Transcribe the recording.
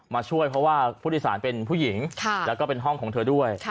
มาช่วยเพราะว่าผู้โดยสารเป็นผู้หญิงแล้วก็เป็นห้องของเธอด้วย